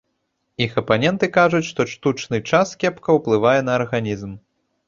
Іх апаненты кажуць, што штучны час кепка ўплывае на арганізм.